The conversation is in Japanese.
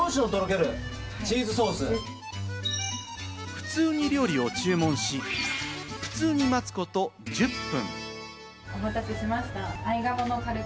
普通に料理を注文し、普通に待つこと１０分。